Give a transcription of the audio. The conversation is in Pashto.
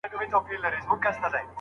ګڼو خلګو اوږد ډنډ ړنګ نه کړ.